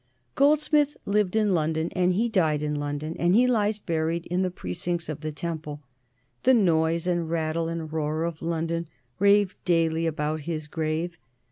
Goldsmith lived in London and he died in London, and he lies buried in the precincts of the Temple. The noise, and rattle, and roar of London rave daily about his grave.